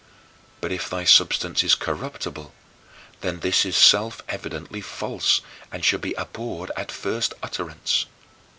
But if thy substance is corruptible, then this is self evidently false and should be abhorred at first utterance.